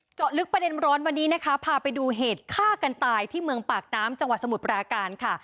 เจาะลึกประเด็นร้อนวันนี้นะคะพาไปดูเหตุฆ่ากันตายที่เมืองปากน้ำจังหวัดสมุทรปราการค่ะ